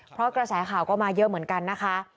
เพราะกระแสข่าวก็มาเยอะเหมือนกันนะคะ